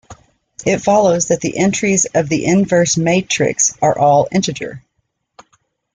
It follows that the entries of the inverse matrix are all integer.